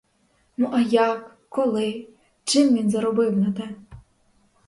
Ну, а як, коли, чим він заробив на те?